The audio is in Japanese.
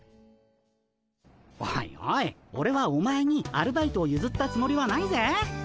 おいおいオレはお前にアルバイトをゆずったつもりはないぜ。